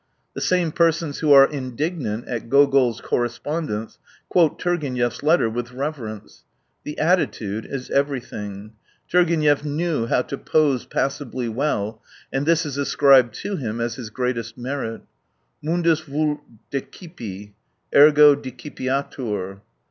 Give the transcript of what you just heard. The same persons who are indig nant at Gogol's correspondence, quote Tur genev's letter with reverence. The attitude is everything. Turgenev knew how to pose passably well, and this is ascribed to him as his greatest merit. Mundus vult decifi, ergo decipiatur.